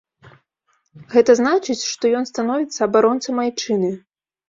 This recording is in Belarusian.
Гэта значыць, што ён становіцца абаронцам айчыны.